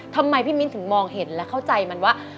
ทำไมพี่มิ้นถึงมองเห็นและเข้าใจมันว่า